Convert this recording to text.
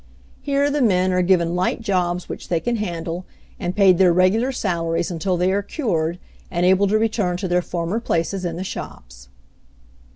Here the men are given light jobs which they can handle, and paid their regular salaries until they are cured and able to return to their former places in the shops.